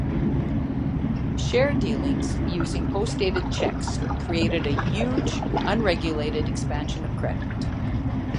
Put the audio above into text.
Share dealings using postdated checks created a huge unregulated expansion of credit.